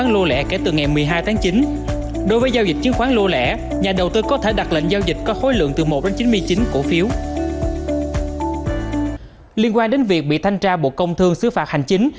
liên quan đến việc bị thanh tra bộ công thương xứ phạt hành chính